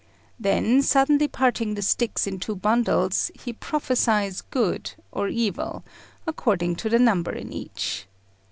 Then, suddenly parting the sticks in two bundles, he prophesies good or evil, according to the number in each.